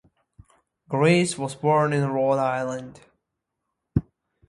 Grace was born in Rhode Island.